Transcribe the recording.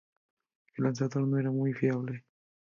El lanzador no era muy fiable.